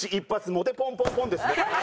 モテポンポンポンですね。